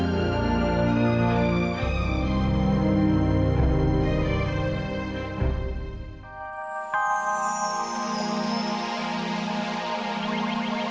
kalau misalnya kamu gua